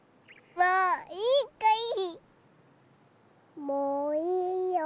もういいよ。